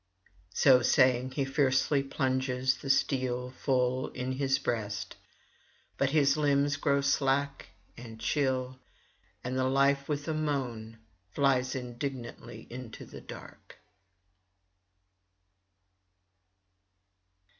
So saying, he fiercely plunges the steel full in his breast. But his limbs grow slack and chill, and the life with a moan flies indignantly into the dark.